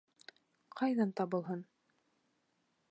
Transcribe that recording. Ҡайҙан табылһын?